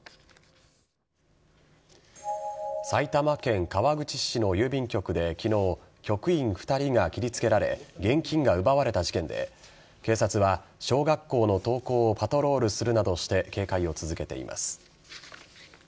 埼玉県川口市の郵便局で昨日職員２人が切りつけられ現金が奪われた事件で警察は小学校の登校をパトロールするなどして警戒を続けています。